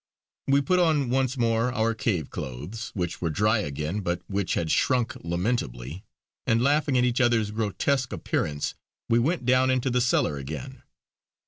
We put on once more our cave clothes, which were dry again but which had shrunk lamentably, and laughing at each other's grotesque appearance we went down into the cellar again.